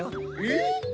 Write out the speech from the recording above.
えっ？